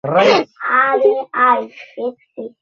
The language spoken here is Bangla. তারপর আর মতির মনে একটুকু ব্যথা বা আপসোস থাকে না।